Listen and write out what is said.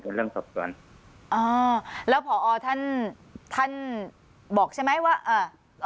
เรื่องสอบสวนอ่าแล้วผอท่านท่านบอกใช่ไหมว่าอ่า